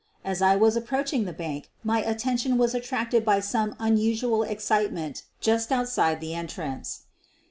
As I was approaching the bank my attention was attracted by some un usual excitement just outside the entrance.